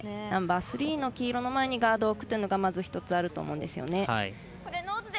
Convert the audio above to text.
ナンバースリーの黄色の前にガードを置くというのがまず一つあると思うんですよね。